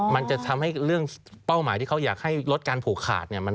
มันจะทำให้เรื่องเป้าหมายที่เขาอยากให้ลดการผูกขาดเนี่ย